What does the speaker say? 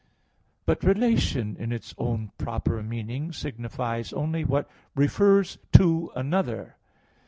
But relation in its own proper meaning signifies only what refers to another.